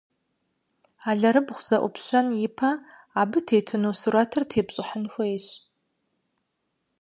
Алэрыбгъур зэIупщэн ипэ, абы итыну сурэтыр тепщIыхьын хуейщ.